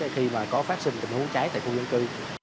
khi mà có phát sinh tình huống cháy tại khu dân cư